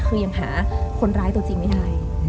คือยังหาคนร้ายตัวจริงไม่ได้